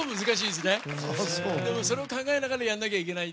でも、それを考えながらやらなきゃいけない。